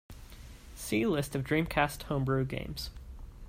See List of Dreamcast homebrew games.